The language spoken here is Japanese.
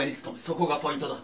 そこがポイントだ。